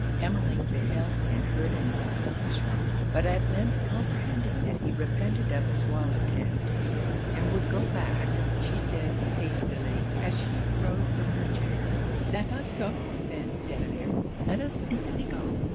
Emmeline beheld and heard him with astonishment. But at length comprehending that he repented of his wild attempt, and would go back, she said hastily, as she arose from her chair 'Let us go, then, Delamere; let us instantly go.